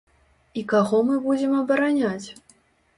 І каго мы будзем абараняць?